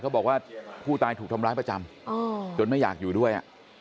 บอกว่าผู้ตายถูกทำร้ายประจำจนไม่อยากอยู่ด้วย